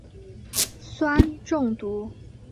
酸中毒。